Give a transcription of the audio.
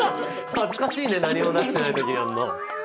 恥ずかしいね何にも出してない時にやんの。